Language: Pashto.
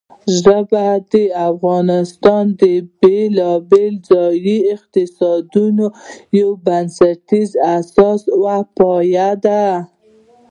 ژبې د افغانستان د بېلابېلو ځایي اقتصادونو یو بنسټیزه اساس او پایایه ده.